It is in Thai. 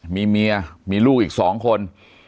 มีเมียมีลูกอีก๒คน